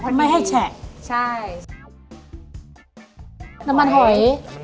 เคยไปกินที่ร้านจะเป็นเข้าผัดพริกสดกุ้ง